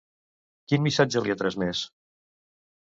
Quin missatge li ha transmès?